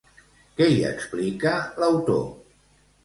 Què hi explica l'autor?